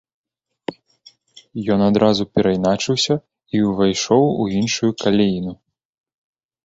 Ён адразу перайначыўся і ўвайшоў у іншую каляіну.